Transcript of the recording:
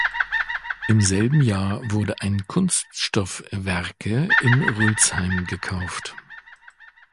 Im selben Jahr wurde ein Kunststoff-Werke in Rülzheim gekauft.